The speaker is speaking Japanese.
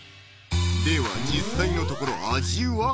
では実際のところ味は？